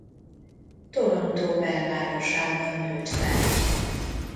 Toronto belvárosában nőtt fel.